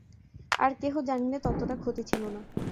আর কেহ জানিলে ততটা ক্ষতি ছিল না।